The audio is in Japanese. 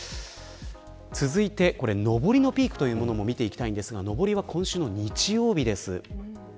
続いて上りのピークも見ていきたいんですが上りは今週の日曜日です。